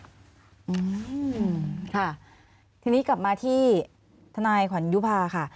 อืมค่ะทีนี้กลับมาที่ทนายขวัญยุภาค่ะ